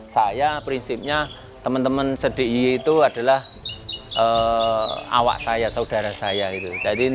saya prinsipnya teman teman sedih itu adalah awak saya saudara saya itu jadi